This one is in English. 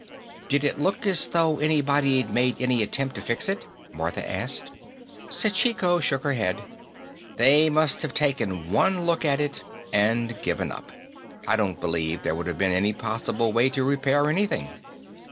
"Did it look as though anybody'd made any attempt to fix it?" Martha asked. Sachiko shook her head. "They must have taken one look at it and given up. I don't believe there would have been any possible way to repair anything."